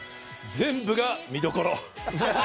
全部が見どころ！